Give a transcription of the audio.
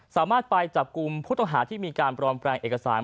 สามารถไปจับกลุ่มผู้ต้องหาที่มีการปลอมแปลงเอกสาร